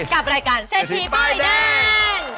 กับรายการเศรษฐีป้ายแดง